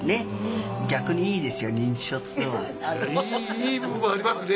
いい部分もありますね。